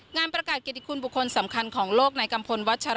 งานปรากฏเกณฑิคุณบุคคลสำคัญของโลกในกัมพลวัชจารณ์พล